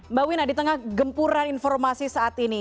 mbak wina di tengah gempuran informasi saat ini